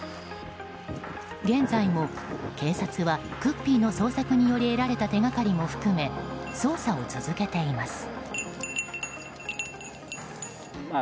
現在も警察はクッピーの捜索により得られた手がかりも含め捜査を続けています。